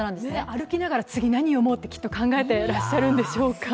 歩きながら次、何を詠もうと考えていらっしゃるんでしょうか。